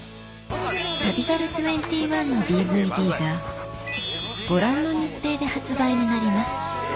『旅猿２１』のＤＶＤがご覧の日程で発売になります